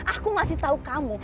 aku masih tahu kamu